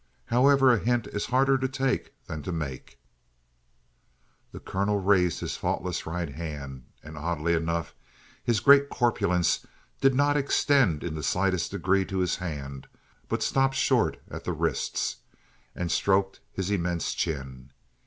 "However, a hint is harder to take than to make." The colonel raised his faultless right hand and oddly enough his great corpulence did not extend in the slightest degree to his hand, but stopped short at the wrists and stroked his immense chin.